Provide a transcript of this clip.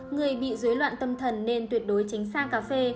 người bị dối loạn tâm thần nên tuyệt đối tránh sang cà phê